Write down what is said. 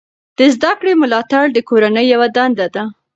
د زده کړې ملاتړ د کورنۍ یوه دنده ده.